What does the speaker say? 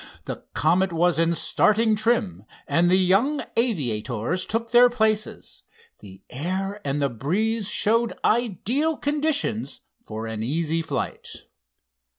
The Comet was in starting trim, and the young aviators took their places. The air and the breeze showed ideal conditions for an easy flight.